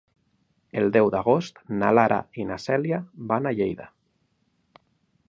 El deu d'agost na Lara i na Cèlia van a Lleida.